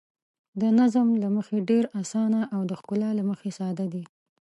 د نظم له مخې ډېر اسانه او د ښکلا له مخې ساده دي.